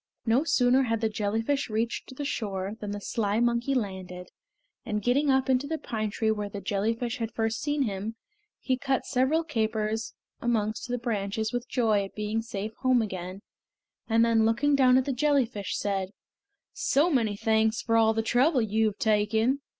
No sooner had the jellyfish reached the shore than the sly monkey landed, and getting up into the pine tree where the jellyfish had first seen him, he cut several capers amongst the branches with joy at being safe home again, and then looking down at the jellyfish said: "So many thanks for all the trouble you have taken!